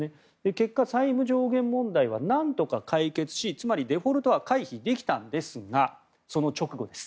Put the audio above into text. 結果、債務上限問題はなんとか解決しつまりデフォルトは回避できたんですがその直後です。